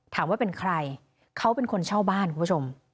ถามว่าเป็นใครเขาเป็นคนเช่าบ้านคุณผู้ชม